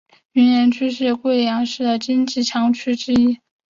云岩区是贵阳市的经济强区之一。